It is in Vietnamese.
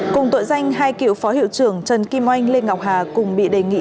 cùng tội danh hai cựu phó hiệu trưởng trần kim oanh lê ngọc hà cùng bị đề nghị